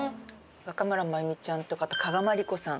若村麻由美ちゃんとか加賀まりこさん。